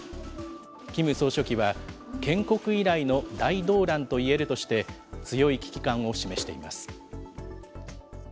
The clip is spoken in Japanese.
キム総書記は、建国以来の大動乱といえるとして、強い危機感を示しています。